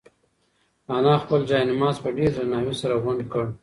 انا خپل جاینماز په ډېر درناوي سره غونډ کړ.